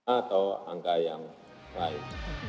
atau angka yang lain